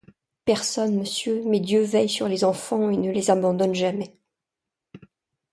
Personne, Monsieur, mais Dieu veille sur les enfants et ne les abandonne jamais !